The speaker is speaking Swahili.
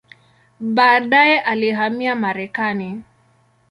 Baadaye alihamia Marekani.